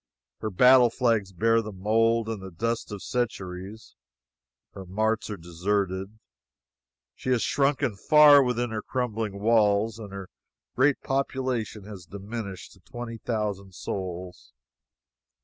Her battle flags bear the mold and the dust of centuries, her marts are deserted, she has shrunken far within her crumbling walls, and her great population has diminished to twenty thousand souls.